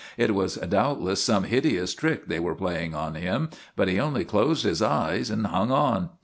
It was doubtless some hideous trick they were playing on him, but he only closed his eyes and hung on.